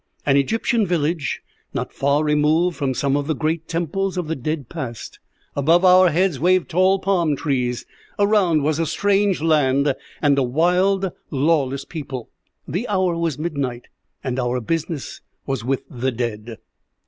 An Egyptian village, not far removed from some of the great temples of the dead past. Above our heads waved tall palm trees. Around was a strange land, and a wild, lawless people. The hour was midnight, and our business was with the dead.